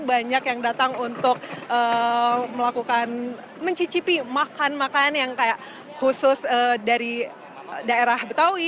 banyak yang datang untuk melakukan mencicipi makan makan yang kayak khusus dari daerah betawi